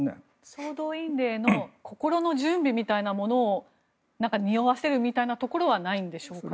総動員令への心の準備みたいなものをにおわせるみたいなところはないんでしょうか。